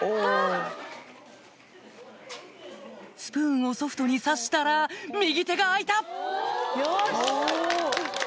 スプーンをソフトに挿したら右手が空いた！